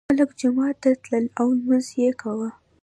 خلک جومات ته تلل او لمونځ یې کاوه.